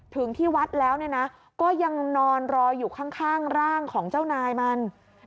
ที่วัดแล้วเนี่ยนะก็ยังนอนรออยู่ข้างร่างของเจ้านายมัน